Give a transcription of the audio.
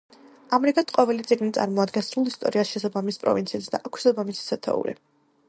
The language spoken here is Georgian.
ამრიგად ყოველი წიგნი წარმოადგენს სრულ ისტორიას შესაბამის პროვინციაზე და აქვს შესაბამისი სათაური.